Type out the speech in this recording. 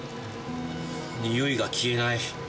臭いが消えない。